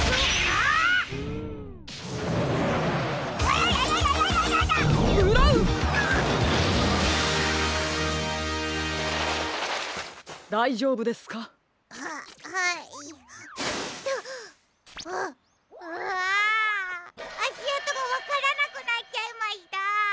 あしあとがわからなくなっちゃいました！